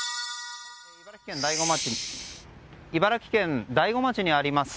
茨城県大子町にあります